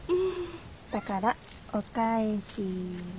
だからお返しに。